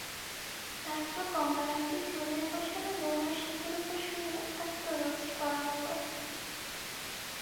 তারপর গঙ্গারামকে চুলোয় বসানো লোহার শিকের ওপর শুইয়ে আস্ত রোস্ট করা হলো।